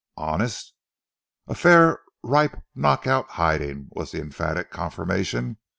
"Honest?" "A fair, ripe, knock out hiding," was the emphatic confirmation.